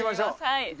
はい。